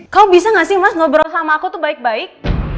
kau bisa nggak sih mas ngobrol sama aku tuh baik baik